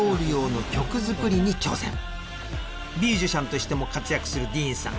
ミュージシャンとしても活躍するディーンさん。